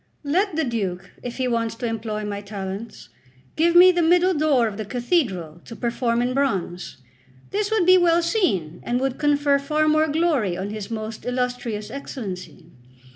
Let the Duke, if he wants to employ my talents, give me the middle door of the cathedral to perform in bronze. This would be well seen, and would confer far more glory on his most illustrious Excellency.